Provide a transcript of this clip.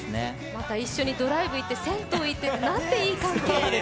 また一緒にドライブ行って銭湯行ってってなんてすてきな関係。